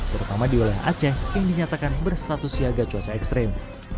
terutama di wilayah aceh yang dinyatakan berstatus siaga cuaca ekstrim